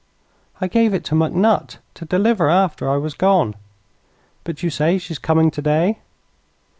"I gave it to McNutt to deliver after I was gone. But you say she's coming today?"